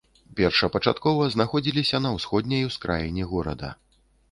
Першапачаткова знаходзіліся на ўсходняй ускраіне горада.